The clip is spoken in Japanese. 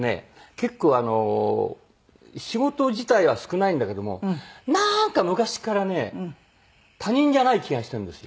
結構仕事自体は少ないんだけどもなんか昔からね他人じゃない気がしてるんですよ。